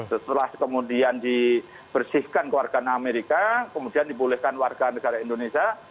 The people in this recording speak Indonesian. setelah kemudian dibersihkan kewarganegaraan amerika kemudian dibolehkan kewarganegaraan indonesia